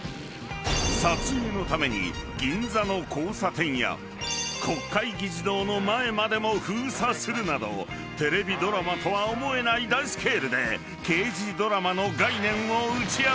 ［撮影のために銀座の交差点や国会議事堂の前までも封鎖するなどテレビドラマとは思えない大スケールで］